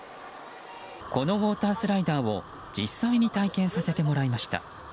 このウォータースライダーを実際に体験させてもらいました。